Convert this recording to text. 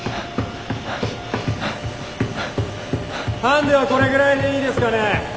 ハンデはこれぐらいでいいですかね。